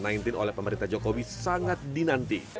covid sembilan belas oleh pemerintah jokowi sangat dinanti